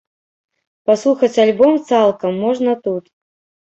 Паслухаць альбом цалкам можна тут.